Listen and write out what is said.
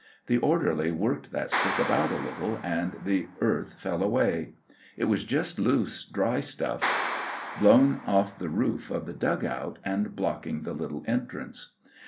The orderly worked that stick about a little, and the earth fell ?' y. It was just loose, dry stuff blowii i the re* ? of the dug out, and blocking the Uttle entrance.